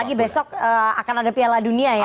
apalagi besok akan ada piala dunia ya